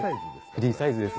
フリーサイズです。